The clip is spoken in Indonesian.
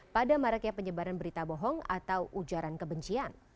pada maraknya penyebaran berita bohong atau ujaran kebencian